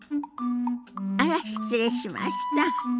あら失礼しました。